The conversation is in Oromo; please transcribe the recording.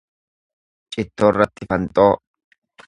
Cittoorratti fanxoo.